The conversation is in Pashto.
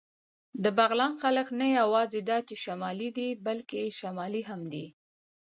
د بغلان خلک نه یواځې دا چې شمالي دي، بلکې شمالي هم دي.